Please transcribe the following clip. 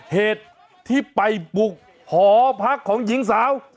เหตุที่ไปบุกหอพักของหญิงสาว